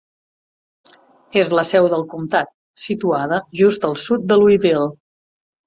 És la seu del comtat, situada just al sud de Louisville.